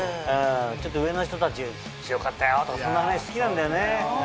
ちょっと上の人たち強かったよとかそんな話好きなんだよね。